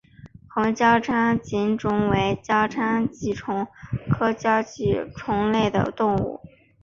红交叉棘虫为交叉棘虫科交叉棘虫属的动物。